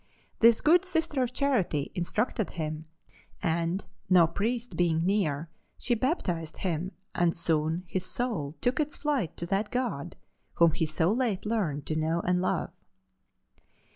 This good Sister of Charity instructed him, and, no priest being near, she baptized him and soon his soul took its flight to that God whom he so late learned to know and love.